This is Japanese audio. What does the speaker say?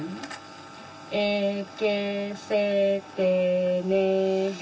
えけせてねへ。